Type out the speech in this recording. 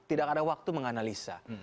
tidak ada waktu menganalisa